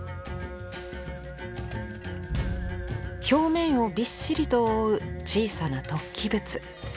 表面をびっしりと覆う小さな突起物。